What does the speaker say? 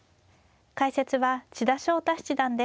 解説は千田翔太七段です。